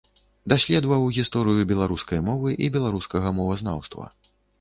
Даследаваў гісторыю беларускай мовы і беларускага мовазнаўства.